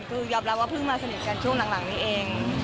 คือยอมรับว่าเพิ่งมาสนิทกันช่วงหลังนี้เอง